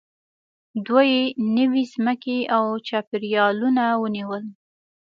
دوی نوې ځمکې او چاپېریالونه ونیول.